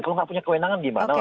kalau nggak punya kewenangan gimana